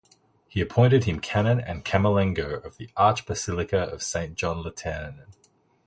He appointed him canon and camerlengo of the Archbasilica of Saint John Lateran.